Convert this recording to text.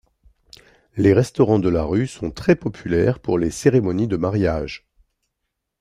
Les restaurants de la rue sont très populaires pour les cérémonies de mariage.